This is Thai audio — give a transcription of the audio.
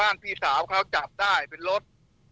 พี่สาวเขาจับได้เป็นรถ